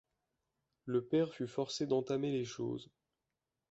Le père fut forcé d’entamer les choses.